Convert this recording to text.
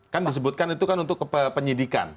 kan disebutkan itu kan untuk kepenyidikan